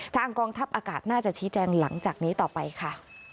ทางกองทัพอากาศน่าจะชี้แจงหลังจากนี้ต่อไปค่ะ